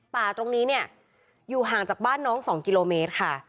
ป่าตรงนี้เนี่ยอยู่ห่างจากบ้านน้อง๒กิโลเมตรค่ะ